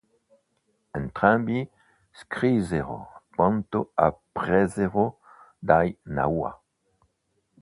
Entrambi scrissero quanto appresero dai Nahua.